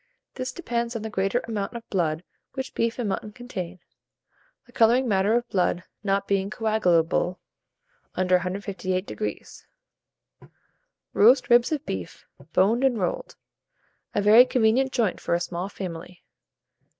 This depends on the greater amount of blood which beef and mutton contain, the colouring matter of blood not being coagulable under 158°. ROAST RIBS OF BEEF, Boned and Rolled (a very Convenient Joint for a Small Family).